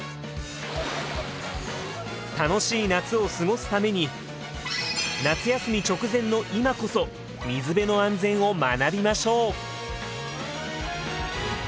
楽しい夏を過ごすために夏休み直前の今こそ水辺の安全を学びましょう！